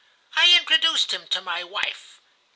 I introduced him to my wife.